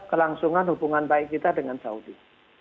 kelangsungan hubungan baik kita dengan saudi